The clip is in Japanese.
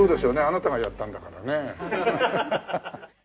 あなたがやったんだからね。